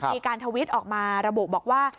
มีการทวิตออกมาระบบบอกว่า